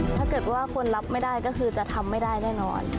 ถ้าเกิดว่าคนรับไม่ได้ก็คือจะทำไม่ได้แน่นอน